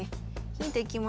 ヒントいきます。